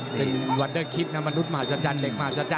จริงวัตด้านคิดนะมนุษย์ต้นสะจันทร์เล็ก